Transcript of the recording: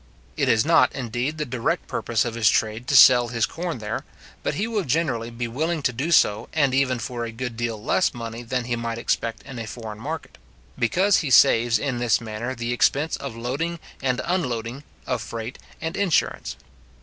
It is not, indeed, the direct purpose of his trade to sell his corn there; but he will generally be willing to do so, and even for a good deal less money than he might expect in a foreign market; because he saves in this manner the expense of loading and unloading, of freight and insurance.